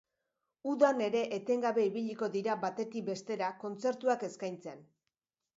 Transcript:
Udan ere etengabe ibiliko dira batetik bestera kontzertuak eskaintzen.